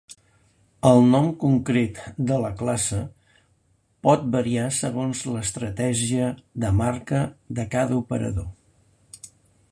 El nom concret de la classe pot variar segons l'estratègia de marca de cada operador.